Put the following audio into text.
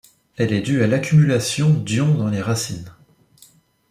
Elle est due à l’accumulation d’ions dans les racines.